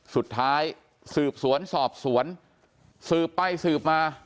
สุดท้ายสืบสวนสอบสวนสืบไปสืบมา